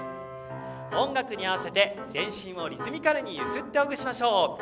音楽に合わせて全身をリズミカルにゆすっていきましょう。